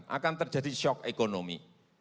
akan terjadi shock ekonomi